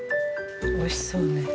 おいしそうね。